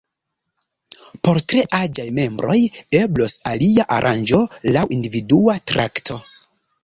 Por tre aĝaj membroj, eblos alia aranĝo laŭ individua trakto.